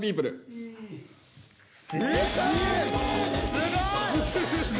すごい！